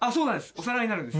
お皿になるんです。